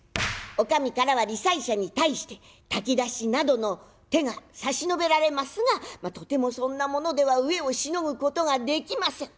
おかみからは罹災者に対して炊き出しなどの手が差し伸べられますがとてもそんなものでは飢えをしのぐことができません。